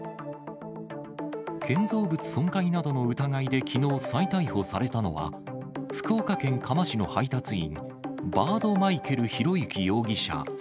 建造物損壊などの疑いできのう再逮捕されたのは、福岡県嘉麻市の配達員、バードマイケル裕之容疑者